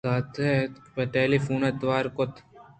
ساعتکے ءَ پد ٹیلی فون ءَ توار کُت